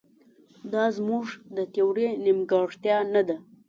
دا زموږ د تیورۍ نیمګړتیا نه ده.